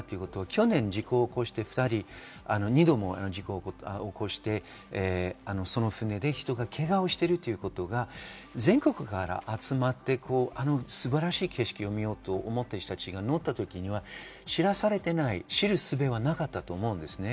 去年、事故を起こして、２度も事故を起こして、その船で人がけがをしているということが全国から集まって、素晴らしい景色を見ようと思っている人たちが乗った時には知らされていない、知るすべはなかったと思います。